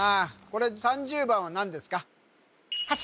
これ３０番は何ですか？